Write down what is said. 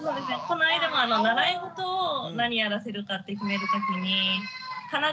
この間も習い事を何やらせるかって決めるときにかな